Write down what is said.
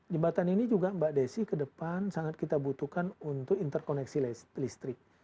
jembatan ini juga mbak desi ke depan sangat kita butuhkan untuk interkoneksi listrik